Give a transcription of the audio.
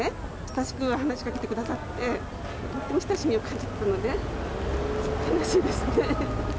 親しく話しかけてくださって、親しみを感じてたので、悲しいですね。